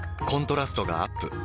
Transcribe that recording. コントラストがアップ。